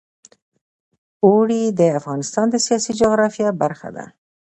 اوړي د افغانستان د سیاسي جغرافیه برخه ده.